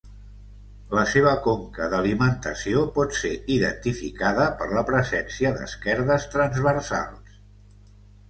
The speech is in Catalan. La seva conca d'alimentació pot ser identificada per la presència d'esquerdes transversals.